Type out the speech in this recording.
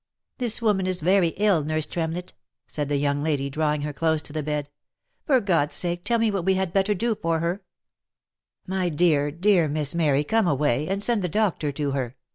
" This woman is very ill, nurse Tremlett," said the young lady, drawing her close to the bed. " For God's sake tell me what we had better do for her V* " My dear, dear, Miss Mary come away, and send the doctor to her!"